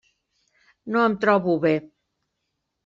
No em trobo bé.